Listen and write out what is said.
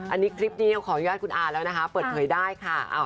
อันนี้คลิปนี้ต้องขออนุญาตคุณอาแล้วนะคะเปิดเผยได้ค่ะ